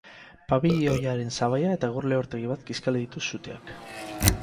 Pabilioiaren sabaia eta egur-lehortegi bat kiskali ditu suteak.